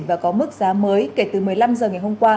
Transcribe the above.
và có mức giá phát triển